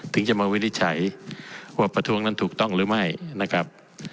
ถึงจะมาวินิจฉัยว่าประท้วงนั้นถูกต้องหรือไม่นะครับ